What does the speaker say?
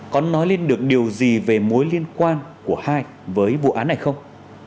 có nói lên được điều gì về mối liên quan của hai với vụ án này không